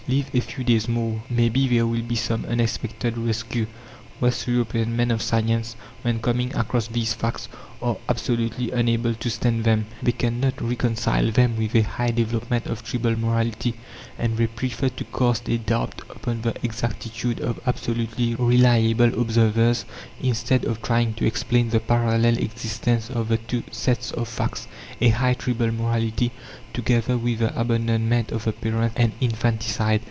"Live a few days more, maybe there will be some unexpected rescue!" West European men of science, when coming across these facts, are absolutely unable to stand them; they can not reconcile them with a high development of tribal morality, and they prefer to cast a doubt upon the exactitude of absolutely reliable observers, instead of trying to explain the parallel existence of the two sets of facts: a high tribal morality together with the abandonment of the parents and infanticide.